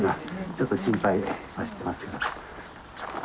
ちょっと心配はしてますけど。